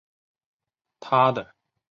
她的哥哥原田宗典也是小说家。